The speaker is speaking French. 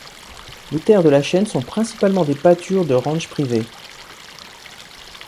Les terres de la chaîne sont principalement des pâtures de ranches privés.